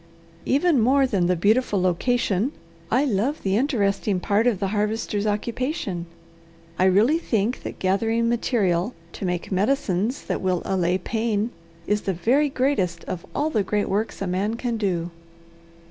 Even more than the beautiful location, I love the interesting part of the Harvester's occupation. I really think that gathering material to make medicines that will allay pain is the very greatest of all the great work a man can do."